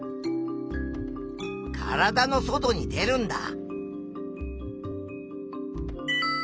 体の外に出るんだ。